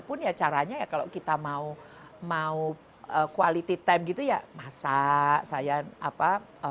pun ya caranya ya kalau kita mau quality time gitu ya masak saya apa